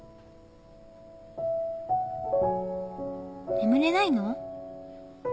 眠れないの？